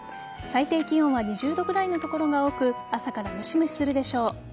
最低気温は２０度くらいの所が多く朝からむしむしするでしょう。